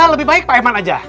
lebih baik pak iman aja